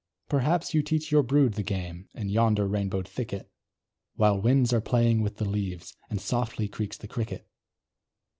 Perhaps you teach your brood the game, In yonder rainbowed thicket, While winds are playing with the leaves, And softly creaks the cricket.